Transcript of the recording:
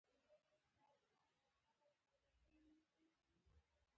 دښمن د زیان د تمې ډنډورچی دی